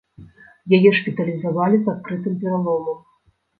Яе шпіталізавалі з адкрытым пераломам.